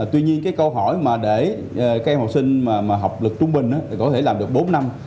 tuy nhiên câu hỏi để học sinh học lực trung bình có thể làm được bốn năm